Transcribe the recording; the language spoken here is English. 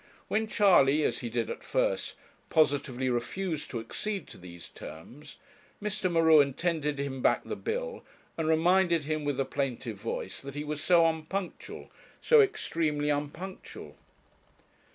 When Charley, as he did at first, positively refused to accede to these terms, Mr. M'Ruen tendered him back the bill, and reminded him with a plaintive voice that he was so unpunctual, so extremely unpunctual.